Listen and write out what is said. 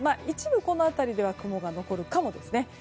一部、この辺りでは雲が残るかもしれません。